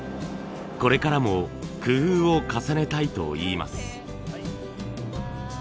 これからも工夫を重ねたいといいます。